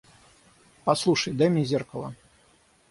Послушай, дай мне зеркало.